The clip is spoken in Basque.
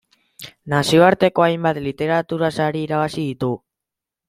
Nazioarteko hainbat literatura sari irabazi ditu.